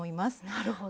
なるほど。